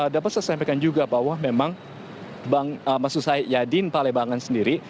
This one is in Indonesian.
dapat saya sampaikan juga bahwa memang mas yudin pak lebangan sendiri